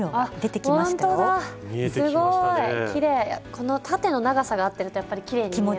この縦の長さが合ってるとやっぱりきれいに見えますね。